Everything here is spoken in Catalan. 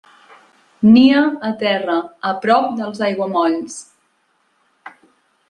Nia a terra, a prop dels aiguamolls.